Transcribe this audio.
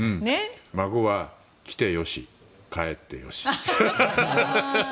孫は来てよし帰ってよし。